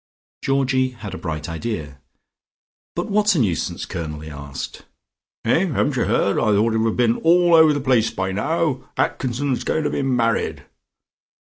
Georgie had a bright idea. "But what's a nuisance, Colonel?" he asked. "Eh, haven't you heard? I thought it would have been all over the place by now. Atkinson's going to be married."